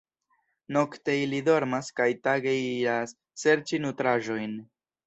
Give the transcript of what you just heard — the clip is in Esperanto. Nokte iii dormas kaj tage iras serĉi nutraĵojn.